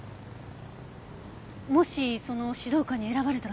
もしその指導官に選ばれたらどうなるの？